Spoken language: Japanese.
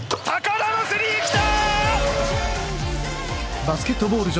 田のスリーきた！